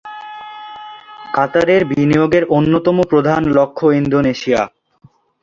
কাতারের বিনিয়োগের অন্যতম প্রধান লক্ষ্য ইন্দোনেশিয়া।